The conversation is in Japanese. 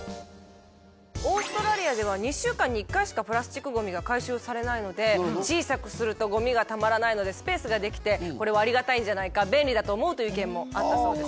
オーストラリアでは２週間に１回しかプラスチックゴミが回収されないので小さくするとゴミがたまらないのでスペースができてこれはありがたいんじゃないか便利だと思うという意見もあったそうです。